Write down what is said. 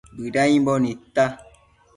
Bëdiambo nidta